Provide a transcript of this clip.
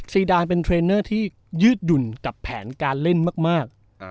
ซีดานเป็นเทรนเนอร์ที่ยืดหยุ่นกับแผนการเล่นมาก